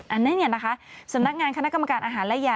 อันนี้สำนักงานคณะกรรมการอาหารและยา